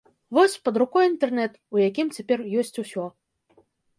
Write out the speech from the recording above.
Вось, пад рукой інтэрнэт, у якім цяпер ёсць усё.